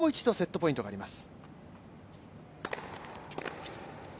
もう一度、セットポイントがあります。